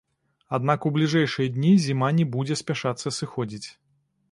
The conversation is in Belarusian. Аднак у бліжэйшыя дні зіма не будзе спяшацца сыходзіць.